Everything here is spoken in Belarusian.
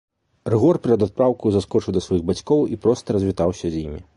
Рыгор перад адпраўкаю заскочыў да сваіх бацькоў і проста развітаўся з імі.